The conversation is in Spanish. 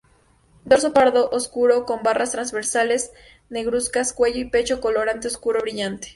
Dorso pardo oscuro con barras transversales negruzcas; cuello y pecho color ante oscuro brillante.